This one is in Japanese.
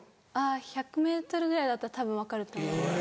１００ｍぐらいだったら多分分かると。